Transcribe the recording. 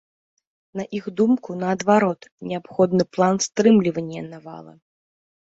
На іх думку, наадварот, неабходны план стрымлівання навалы.